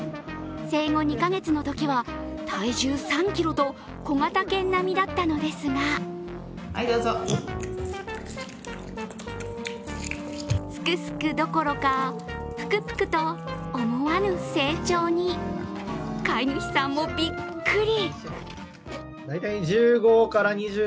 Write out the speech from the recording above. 生後２か月のときは体重３ｋｇと小型犬並みだったのですがすくすくどころかぷくぷくと思わぬ成長に飼い主さんもビックリ。